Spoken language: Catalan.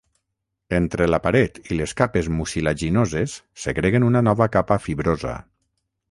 Entre la paret i les capes mucilaginoses segreguen una nova capa fibrosa.